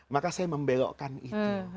maka saya membelokkan itu